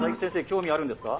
興味あるんですか？